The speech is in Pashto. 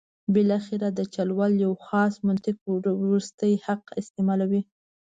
بالاخره د چل ول یو خاص منطق وروستی حق استعمالوي.